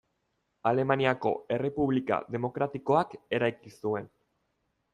Alemaniako Errepublika demokratikoak eraiki zuen.